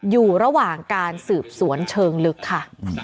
อยู่ระหว่างการสืบสวนเชิงลึกค่ะ